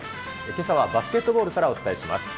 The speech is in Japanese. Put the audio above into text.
けさはバスケットボールからお伝えします。